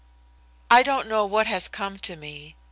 I don't know what has come to me.